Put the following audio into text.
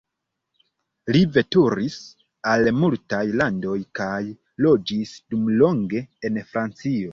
Li veturis al multaj landoj kaj loĝis dumlonge en Francio.